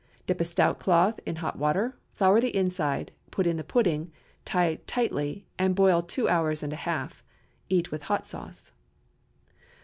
Dip a stout cloth in hot water, flour the inside, put in the pudding, tie tightly, and boil two hours and a half. Eat hot with sauce.